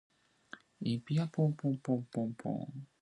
Ihpyopanim.